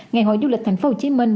ngày hội du lịch thành phố hồ chí minh